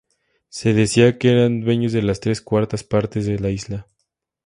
Se decía que eran dueños de las tres cuartas partes de la isla.